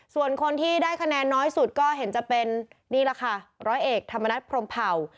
ส่วนคนที่ได้คะแนนน้อยสุดก็เห็นจะเป็นนี่แหละค่ะร้อยเอกธรรมนัฐพรมเผ่า